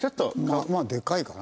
まあでかいかな。